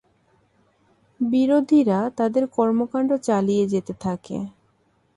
বিরোধীরা তাদের কর্মকাণ্ড চালিয়ে যেতে থাকে।